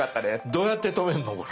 どうやって止めんのこれ？